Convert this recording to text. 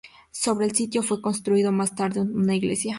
Sobre el sitio fue construido más tarde una iglesia.